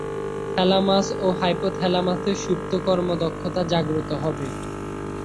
Thalamus ও হাইপোথ্যালামাসের সুপ্ত কর্মক্ষমতা জাগ্রত হবে।